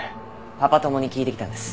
パパ友に聞いてきたんです。